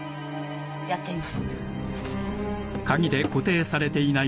やってみます。